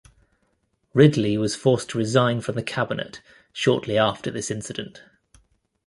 Ridley was forced to resign from the cabinet shortly after this incident.